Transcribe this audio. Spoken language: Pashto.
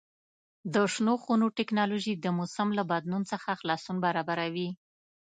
د شنو خونو تکنالوژي د موسم له بدلون څخه خلاصون برابروي.